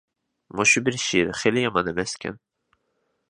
مۇشۇ بىر شېئىر خېلى يامان ئەمەسكەن.